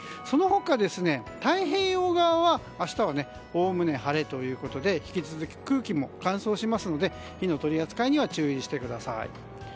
その他太平洋側は明日はおおむね晴れということで引き続き空気も乾燥しますので火の取り扱いには注意してください。